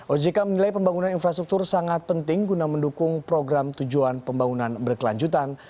ojk menilai pembangunan infrastruktur sangat penting guna mendukung program tujuan pembangunan berkelanjutan